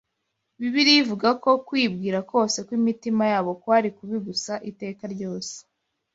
Bibiliya ivuga ko ‘kwibwira kose kw’imitima yabo kwari kubi gusa iteka ryose,’